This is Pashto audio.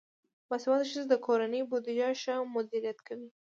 باسواده ښځې د کورنۍ بودیجه ښه مدیریت کوي.